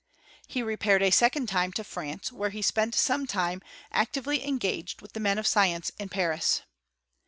He repaired a second time to France, where he" spent some time, actively engaged with the men oii science in Paris.